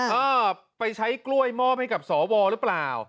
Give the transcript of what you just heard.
เออไปใช้กล้วยมอบให้กับสวหรือเปล่า